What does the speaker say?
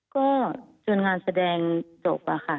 ก็จนงานแสดงจบอะค่ะ